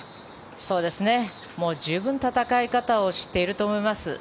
もう十分戦い方を知っていると思います。